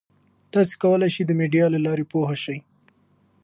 تاسي کولای شئ د میډیا له لارې پوهه شئ.